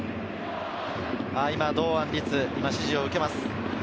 今、堂安律が指示を受けます。